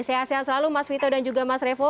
sehat sehat selalu mas vito dan juga mas revo